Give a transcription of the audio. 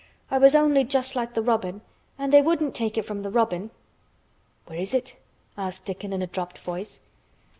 I was only just like the robin, and they wouldn't take it from the robin." "Where is it?" asked Dickon in a dropped voice.